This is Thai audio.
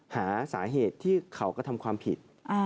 หาสาเหตุที่เขากระทำความผิด